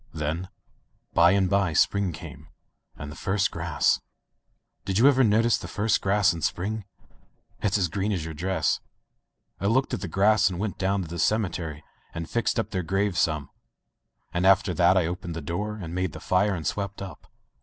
Then by and by spring came, and the first grass. ••• Did you ever notice the first grass in spring ? It's as green as your dress, I looked at the grass and went down to the cemetery and fixed up their graves some. And after that I opened the door, and made the fire and swept up.